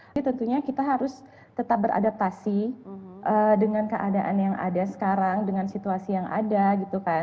jadi tentunya kita harus tetap beradaptasi dengan keadaan yang ada sekarang dengan situasi yang ada gitu kan